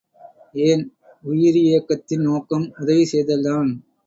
ஏன் உயிரியக்கத்தின் நோக்கம் உதவி செய்தல் தான்!